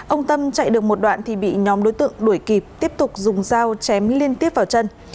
ông tâm chạy được một đoạn thì bị nhóm đối tượng đuổi kịp tiếp tục dùng dao chém liên tiếp vào chân